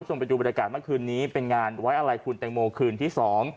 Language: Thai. ส่งไปดูบรรยากาศเมื่อคืนนี้เป็นงานไว้อะไรคุณแต่งโมคืนที่๒